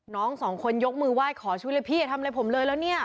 น้องสองคนยกมือไหว้ขอชุดเลยพี่อย่าทำอะไรผมเลยแล้วเนี่ย